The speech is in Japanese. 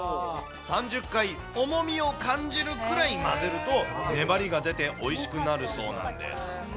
３０回、重みを感じるくらい混ぜると、粘りが出ておいしくなるそうなんです。